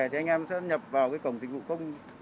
thì anh em sẽ nhập vào cái cổng dịch vụ công